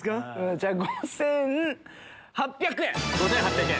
じゃあ５８００円。